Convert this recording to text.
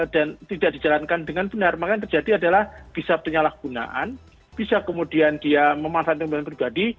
dan tidak dijalankan dengan benar maka yang terjadi adalah bisa bernyalah gunaan bisa kemudian dia memanfaatkan kebenaran pribadi